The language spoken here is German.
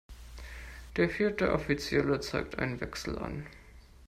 Der vierte Offizielle zeigt einen Wechsel an.